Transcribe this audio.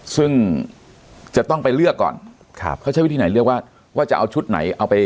ซึ่งจะต้องไปเลือกก่อนครับเขาใช้วิธีไหนเลือกว่าว่าจะเอาชุดไหนเอาไป